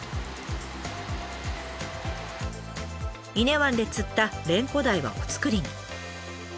伊根湾で釣ったレンコダイはお造りに。